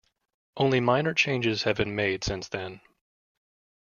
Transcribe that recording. Only minor changes have been made since then.